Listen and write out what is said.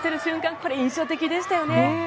これ、印象的でしたよね。